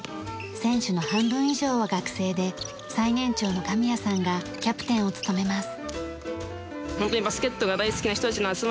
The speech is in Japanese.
選手の半分以上は学生で最年長の神矢さんがキャプテンを務めます。